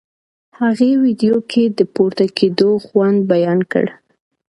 هغې ویډیو کې د پورته کېدو خوند بیان کړ.